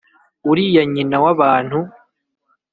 uri nyina w'abantu